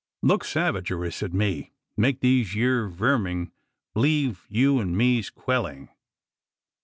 Look savagerous at me, an' make these yeer verming b'lieve you an' me's que'lling.